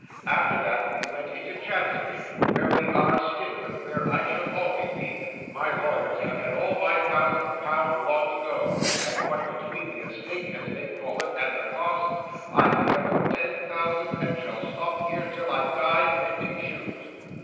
After that, we went into Chancery, where we are still, and where I shall always be. My lawyers have had all my thousand pound long ago; and what between the estate, as they call it, and the costs, I'm here for ten thousand, and shall stop here, till I die, mending shoes.